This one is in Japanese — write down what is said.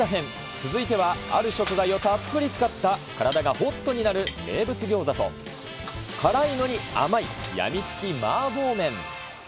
続いてはある食材をたっぷり使った体がホットになる名物餃子と、辛いのに甘い、病みつき麻婆麺。